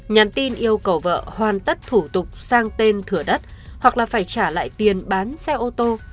nhắn tin yêu cầu vợ hoàn tất thủ tục sang tên thửa đất hoặc là phải trả lại tiền bán xe ô tô